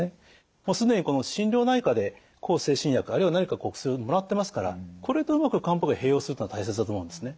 もう既に心療内科で向精神薬あるいは何か薬をもらってますからこれとうまく漢方薬を併用するというのが大切だと思うんですね。